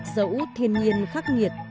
dẫu thiên nhiên khắc nghiệt